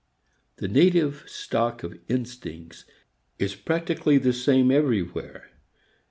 The native stock of instincts is practically the same everywhere.